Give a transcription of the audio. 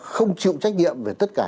không chịu trách nhiệm về tất cả